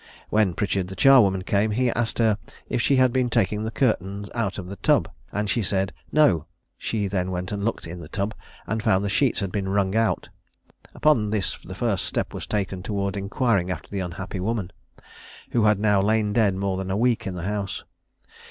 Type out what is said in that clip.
When Pritchard the charwoman came, he asked her if she had been taking the curtain out of the tub, and she said "No." She then went and looked in the tub, and found the sheets had been wrung out. Upon this the first step was taken towards inquiring after the unhappy woman, who had now lain dead more than a week in the house.